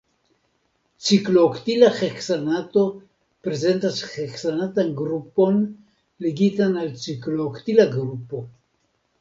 Ciklooktila heksanato prezentas heksanatan grupon ligitan al ciklooktila grupo.